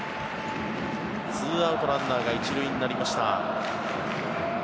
２アウトランナーが１塁になりました。